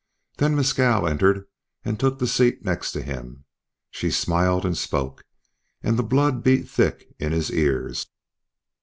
Then Mescal entered and took the seat next to him. She smiled and spoke, and the blood beat thick in his ears.